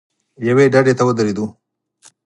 یوې ډډې ته ودرېدو.